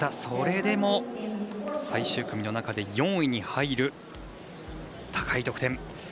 それでも最終組の中で４位に入る高い得点。